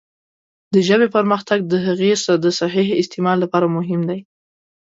د ژبې پرمختګ د هغې د صحیح استعمال لپاره مهم دی.